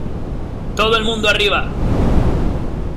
¡ todo el mundo arriba!